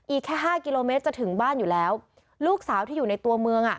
แค่ห้ากิโลเมตรจะถึงบ้านอยู่แล้วลูกสาวที่อยู่ในตัวเมืองอ่ะ